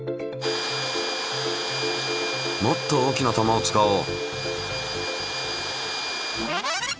もっと大きな球を使おう！